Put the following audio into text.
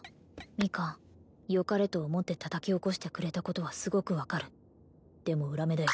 ミカンよかれと思ってたたき起こしてくれたことはすごく分かるでも裏目だよ